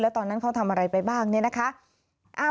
ตอนนั้นเขาทำอะไรไปบ้างเนี่ยนะคะ